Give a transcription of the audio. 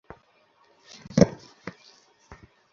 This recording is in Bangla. এরা সবাই গাধার দল!